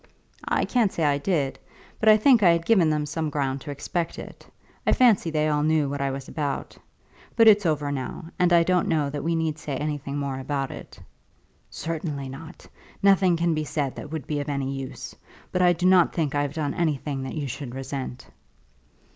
"I can't say I did; but I think I had given them some ground to expect it. I fancy they all knew what I was about. But it's over now, and I don't know that we need say anything more about it." "Certainly not. Nothing can be said that would be of any use; but I do not think I have done anything that you should resent."